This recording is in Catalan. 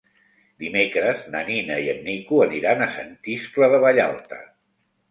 Dimecres na Nina i en Nico aniran a Sant Iscle de Vallalta.